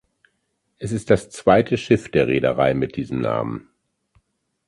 Es ist das zweite Schiff der Reederei mit diesem Namen.